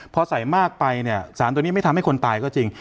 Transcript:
พอใส่มากไปเนี่ยสารตัวนี้ไม่ทำให้คนตายก็จริง